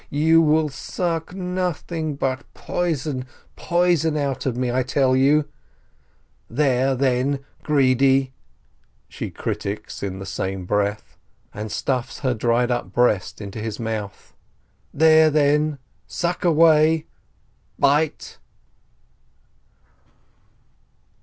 You will suck nothing but poison, poison, out of me, I tell you !" "There, then, greedy !" she cries in the same breath, and stuffs her dried up breast into his mouth. "There, then, suck away — bite